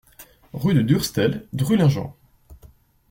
Rue de Durstel, Drulingen